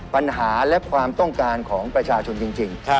ปัญหาและความต้องการของประชาชนจริง